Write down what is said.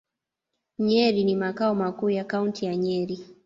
Nyeri ni makao makuu ya Kaunti ya Nyeri.